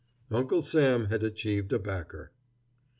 Uncle Sam had achieved a backer.